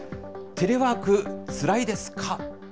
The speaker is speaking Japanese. テレワークつらいですか？